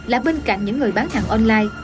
là bên cạnh những người bán hàng online